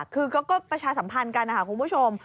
คือก็ประชาสัมพันธ์กันนะคะคุณผู้ชม